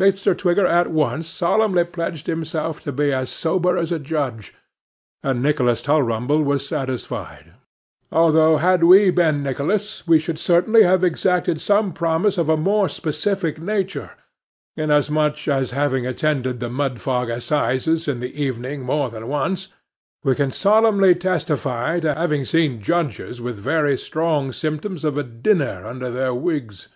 Mr. Twigger at once solemnly pledged himself to be as sober as a judge, and Nicholas Tulrumble was satisfied, although, had we been Nicholas, we should certainly have exacted some promise of a more specific nature; inasmuch as, having attended the Mudfog assizes in the evening more than once, we can solemnly testify to having seen judges with very strong symptoms of dinner under their wigs.